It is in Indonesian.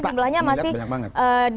jumlahnya masih kecil